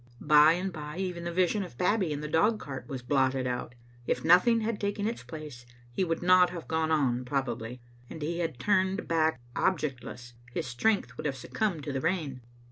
By and by even the vision of Babbie in the dogcart was blotted out. If nothing had taken its place, he would not have gone on probably ; and had he turned back objectless, his strength would have succumbed to the rain.